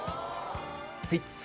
はい。